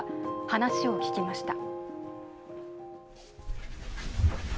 話を聞きました。